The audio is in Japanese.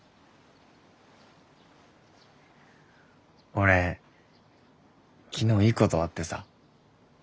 俺昨日いいことあってさ。